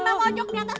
mama ujuk diatas